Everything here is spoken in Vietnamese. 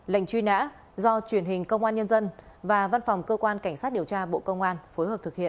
lệnh truy nã do truyền hình công an nhân dân và văn phòng cơ quan cảnh sát điều tra bộ công an phối hợp thực hiện